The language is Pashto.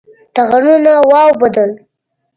ټغرونه واوبدل